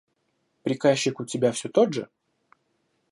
Приказчик у тебя все тот же?